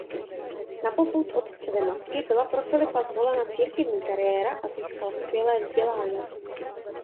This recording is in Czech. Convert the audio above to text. Na popud otcovy matky byla pro Filipa zvolena církevní kariéra a získal skvělé vzdělání.